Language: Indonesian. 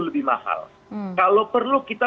lebih mahal kalau perlu kita